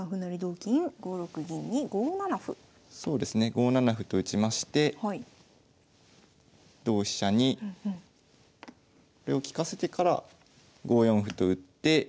５七歩と打ちまして同飛車にこれを利かせてから５四歩と打って。